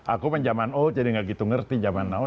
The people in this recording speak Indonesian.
aku zaman old jadi nggak gitu ngerti zaman now